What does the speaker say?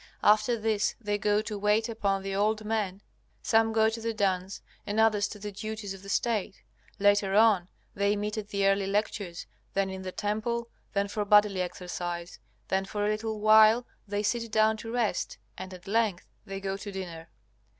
After this they go to wait upon the old men, some go to the dance, and others to the duties of the State. Later on they meet at the early lectures, then in the temple, then for bodily exercise. Then for a little while they sit down to rest, and at length they go to dinner.